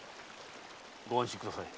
ご安心ください。